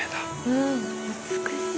うん美しい。